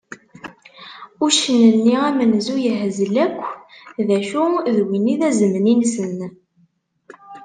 Uccen-nni amenzu yehzel akk, d acu d win i d azemni-nsen.